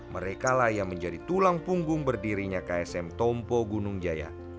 mereka lah yang menjadi tulang punggung berdirinya ksm tompo gunung jaya